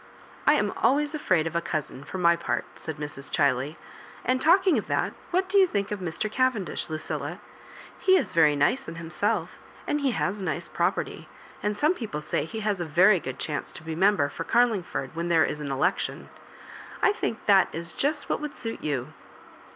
" I am always afraid of a cousin, for my part," said Mra Chiley ;" and, talking of that, what do you think of Mr. Cavendish, Lucilla ? He is very nice in himself and he has a nice property ; and some people say he has a very good chance to b& member for Oarlingford when there is an election. I think that is just what would suit you."